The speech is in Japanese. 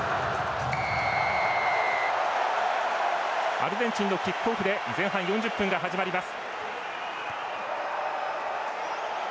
アルゼンチンのキックオフで前半４０分が始まります。